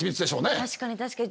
確かに確かに。